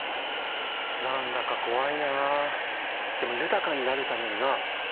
何だか怖いなあ。